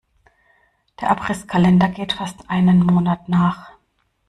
Der Abrisskalender geht fast einen Monat nach.